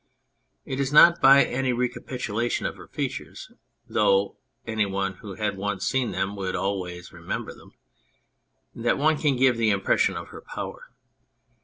It is not by any recapitulation of her features (though any one who had once seen them would always remember them) that one can give the impression of her power.